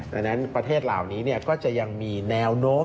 ดังนั้นประเทศเหล่านี้ก็จะยังมีแนวโน้ม